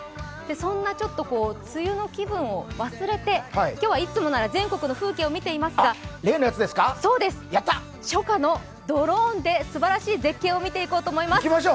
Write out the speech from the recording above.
そんな梅雨の気分を忘れて、今日はいつもなら全国の風景を見えていますが、初夏のドローンですばらしい絶景を見ていこうと思います。